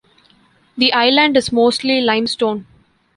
The island is mostly limestone.